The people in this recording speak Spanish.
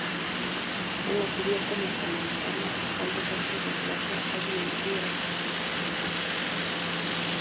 En la cubierta Norteamericana, Oswaldo Sánchez reemplaza a Vieira.